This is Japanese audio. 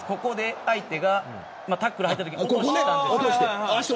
相手がタックル入ったとき落としたんですよ。